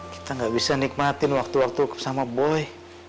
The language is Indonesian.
kita gak bisa nikmatin waktu waktu sama boy